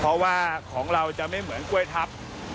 เพราะว่าของเราจะไม่เหมือนกล้วยทับ